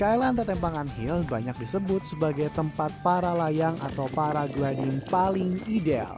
ya skyland tetempangan hill banyak disebut sebagai tempat para layang atau para gliding paling ideal